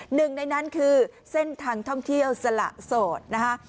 หนึ่งในนั้นคือเส้นทางท่องเที่ยวสละโสดนะคะ